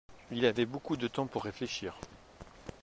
Il avait beaucoup de temps pour réfléchir.